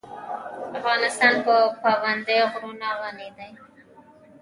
افغانستان په پابندی غرونه غني دی.